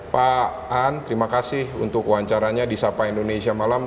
pak an terima kasih untuk wawancaranya di sapa indonesia malam